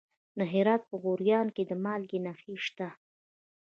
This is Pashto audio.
د هرات په غوریان کې د مالګې نښې شته.